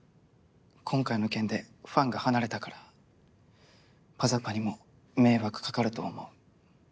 今回の件でファンが離れたから「ｐａｚａｐａ」にも迷惑かかると思う。